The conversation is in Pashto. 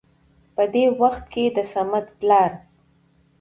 په دې وخت کې د صمد پلار